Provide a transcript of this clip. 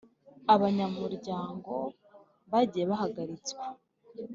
Abanyamuryango bagiye bahagaritswa